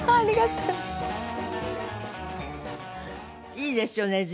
いいですよね随分。